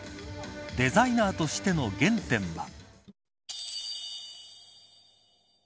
デザイナーとしての原点は。